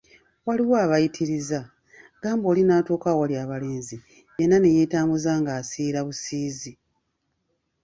Waliwo abayitiriza, gamba oli natuuka awali abalenzi yenna ne yeetambuza ng'asiirabusiizi.